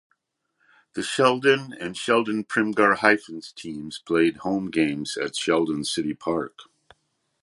The Sheldon and Sheldon–Primghar Hyphens teams played home games at Sheldon City Park.